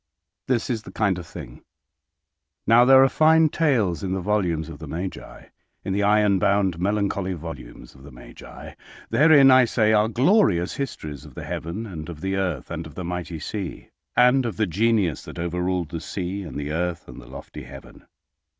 This is the kind of thing— "Now there are fine tales in the volumes of the Magi—in the iron bound melancholy volumes of the Magi. Therein, I say, are glorious histories of the heaven and of the earth, and of the mighty sea—and of the genius that overruled the sea, and the earth, and the lofty heaven.